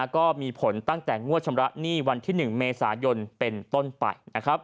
ก็มีผลตั้งแต่งวดชำระหนี้วันที่๑เมษายนเป็นต้นไป